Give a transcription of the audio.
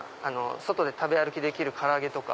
外で食べ歩きできる唐揚げとか。